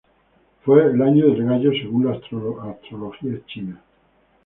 Fue el año del gallo según la astrología china.